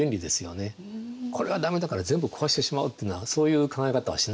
これは駄目だから全部壊してしまおうというのはそういう考え方はしない。